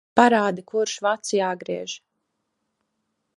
Parādi, kurš vads jāgriež.